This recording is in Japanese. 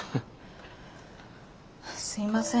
すいません。